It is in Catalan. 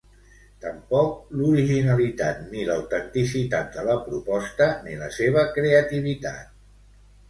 Tampoc l'originalitat ni l'autenticitat de la proposta ni la seva creativitat.